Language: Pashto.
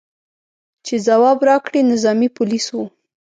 چې ځواب راکړي، نظامي پولیس و.